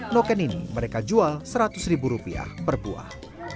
noken ini mereka jual seratus ribu rupiah per buah